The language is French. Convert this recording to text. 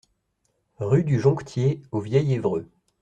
Rue du Jonctier au Vieil-Évreux